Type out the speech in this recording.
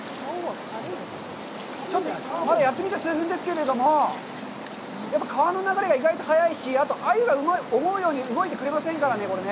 まだやってみて数分ですけど、川の流れが意外と速いし、アユが思うように動いてくれませんからね。